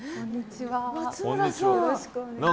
よろしくお願いします。